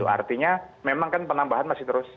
artinya memang kan penambahan masih terus